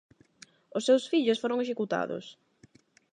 Os seus fillos foron executados.